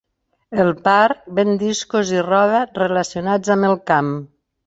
El parc ven discos i roba relacionats amb el camp.